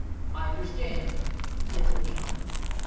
"I understand," said Guechamp.